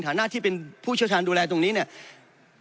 หน้าที่เป็นผู้เชี่ยวชาญดูแลตรงนี้เนี่ย